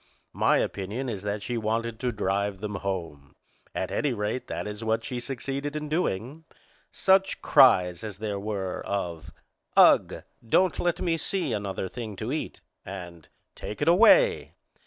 My opinion is that she wanted to drive them home. At any rate, that is what she succeeded in doing. Such cries as there were of "Ugh! Don't let me see another thing to eat!" and "Take it away!"